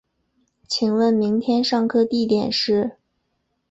请问明天上课地点是